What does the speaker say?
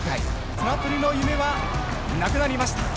綱取りの夢はなくなりました。